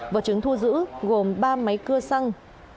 vật chứng thu giữ gồm ba máy cưa xăng